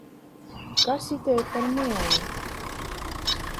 Kas itei par muoju?